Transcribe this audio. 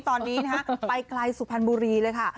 ตอนนี้นะฮะไปไกลสุพรรณบุรีเลยค่ะ